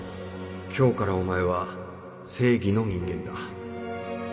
今日からお前は正義の人間だ